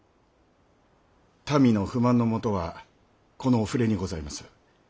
民の不満のもとはこのお触れにございます。